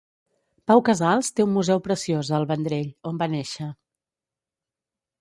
Pau Casals té un museu preciós a El Vendrell, on va néixer.